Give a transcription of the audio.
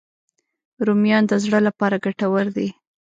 رومیان د زړه لپاره ګټور دي